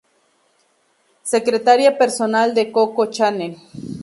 Secretaria personal de Coco Chanel.